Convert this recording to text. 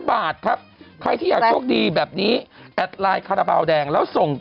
บาทครับใครที่อยากโชคดีแบบนี้แอดไลน์คาราบาลแดงแล้วส่ง